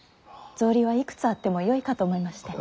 草履はいくつあってもよいかと思いまして。